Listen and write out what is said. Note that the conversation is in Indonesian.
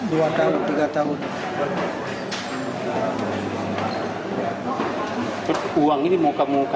dua tahun tiga tahun